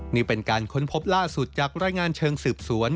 นี่เป็นการค้นพบล่าสุดจากรายงานเชิงสืบสวน